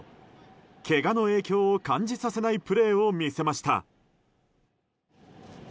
けがの影響を感じさせないプレーを見せました。